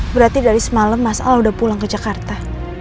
berarti dari semalam mas al udah pulang ke jakarta